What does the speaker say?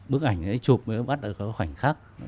bức ảnh chụp bắt ở khoảnh khắc